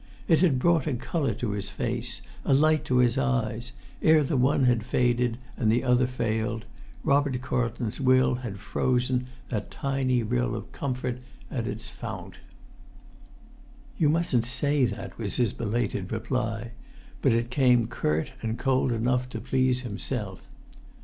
It had brought a colour to his face, a light to his eyes; ere the one had faded, and the other failed, Robert Carlton's will had frozen that tiny rill of comfort at its fount. "You mustn't say that," was his belated reply; but it came curt and cold enough to please himself.